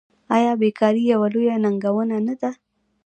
آیا بیکاري یوه لویه ننګونه نه ده؟